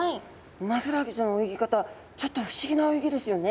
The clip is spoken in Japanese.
ウマヅラハギちゃんの泳ぎ方ちょっと不思議な泳ぎですよね。